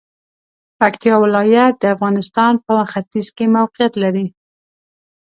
پکتیا ولایت د افغانستان په ختیځ کې موقعیت لري.